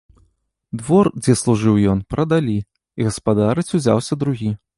Двор, дзе служыў ён, прадалі, і гаспадарыць узяўся другі.